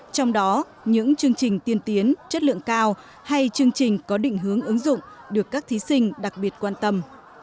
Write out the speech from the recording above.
trong đó những chương trình tiên tiến chất lượng cao hay chương trình có định hướng ứng dụng được các thí sinh đặc biệt quan tâm